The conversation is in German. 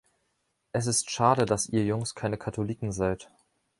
Es ist schade, dass ihr Jungs keine Katholiken seid.